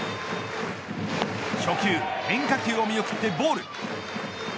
初球、変化球を見送ってボール。